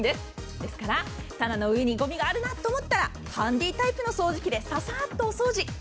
ですから棚の上にごみがあるなと思ったらハンディタイプの掃除機でササッとお掃除。